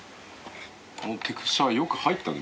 このテクスチャーよく入ったね